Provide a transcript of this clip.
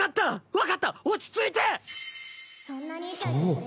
分かった落ち着いて！